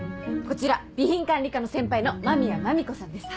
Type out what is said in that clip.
こちら備品管理課の先輩の間宮マミコさんです。